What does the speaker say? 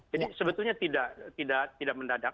jadi sebetulnya tidak mendadak